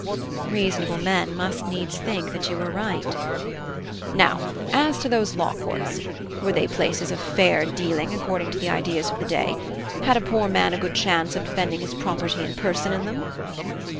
(I) Reasonable men must needs think you are right. (H.) Now as to those Law Courts. Were they places of fair dealing according to the ideas of the day? Had a poor man a good chance of defending his property and person in them?